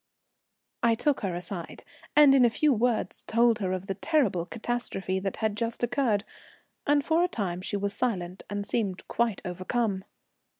I took her aside, and in a few words told her of the terrible catastrophe that had just occurred, and for a time she was silent and seemed quite overcome.